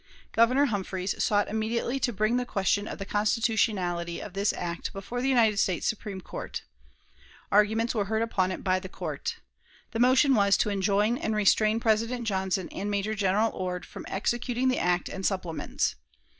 Governor Humphreys sought immediately to bring the question of the constitutionality of this act before the United States Supreme Court. Arguments were heard upon it by the Court. The motion was to enjoin and restrain President Johnson and Major General Ord from executing the act and supplements.